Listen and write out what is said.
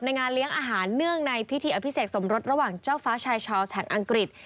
งานเลี้ยงอาหารเนื่องในพิธีอภิเษกสมรสระหว่างเจ้าฟ้าชายชาวแห่งอังกฤษ